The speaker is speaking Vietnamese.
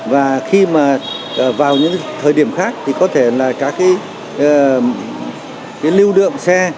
và khi mà vào những thời điểm khác thì có thể là cả cái lưu đượm xe